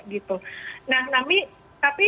gitu nah tapi